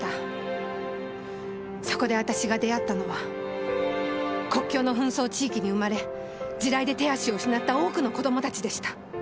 そこで私が出会ったのは国境の紛争地域に生まれ地雷で手足を失った多くの子供たちでした。